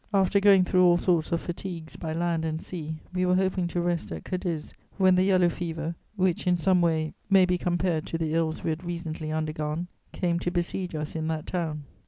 After going through all sorts of fatigues, by land and sea, we were hoping to rest at Cadiz, when the yellow fever, which in some way may be compared to the ills we had recently undergone, came to besiege us in that town.